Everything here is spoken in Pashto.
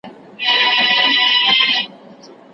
شپه او ورځ مي په خوارۍ دئ ځان وژلى